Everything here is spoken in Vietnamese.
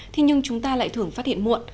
thế nhưng chúng ta lại thường phát hiện muộn